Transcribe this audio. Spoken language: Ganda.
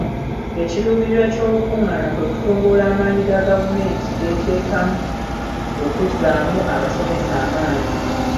Ekiruubirirwa ky'olukungaana kwe kutumbula amaanyi ga gavumenti geteekamu okuzzaamu abasomesa amaanyi.